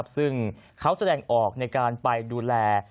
ซึ่งเขาแสดงออกในการไปดูแล